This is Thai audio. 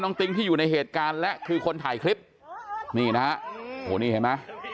น้องติ๊งที่อยู่ในเหตุการณ์และคือคนถ่ายคลิปนี่นะโอ้นี่ไหม